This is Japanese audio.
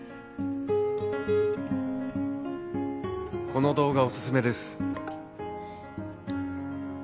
「この動画お薦めです」